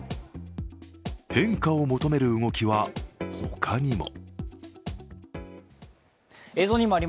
変化を求める動きは、他にも。